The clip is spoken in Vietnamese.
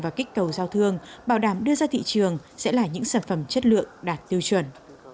và kích cầu giao thương bảo đảm đưa ra thị trường sẽ là những sản phẩm chất lượng đạt tiêu chuẩn